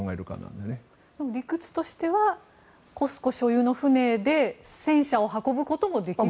でも理屈としてはＣＯＳＣＯ所有の船で戦車を運ぶこともできると。